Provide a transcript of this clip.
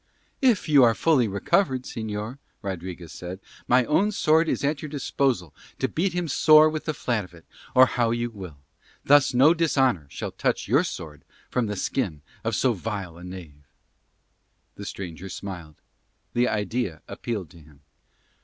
"If you are fully recovered, señor," Rodriguez said, "my own sword is at your disposal to beat him sore with the flat of it, or how you will. Thus no dishonour shall touch your sword from the skin of so vile a knave." The stranger smiled: the idea appealed to him.